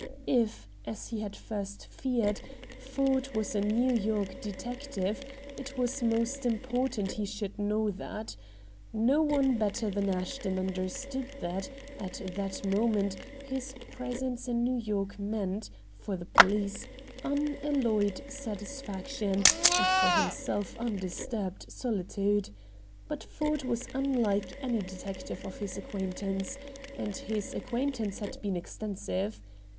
If, as he had first feared, Ford was a New York detective, it was most important he should know that. No one better than Ashton understood that, at that moment, his presence in New York meant, for the police, unalloyed satisfaction, and for himself undisturbed solitude. But Ford was unlike any detective of his acquaintance; and his acquaintance had been extensive.